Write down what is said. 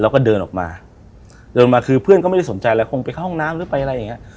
แล้วก็เดินออกมาเดินมาคือเพื่อนก็ไม่ได้สนใจอะไรคงไปเข้าห้องน้ำหรือไปอะไรอย่างเงี้ย